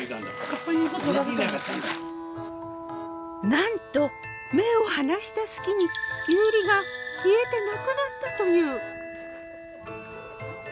なんと目を離した隙にきゅうりが消えてなくなったという。